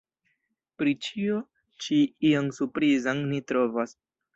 Pri ĉio ĉi ion surprizan ni trovas.